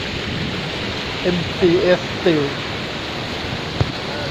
เอ็ม ซี เอส สตีล